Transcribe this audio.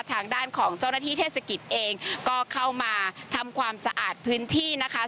ทางด้านของเจ้าหน้าที่เทศกิจเองก็เข้ามาทำความสะอาดพื้นที่นะคะ